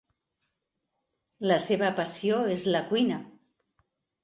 La seva passió és la cuina.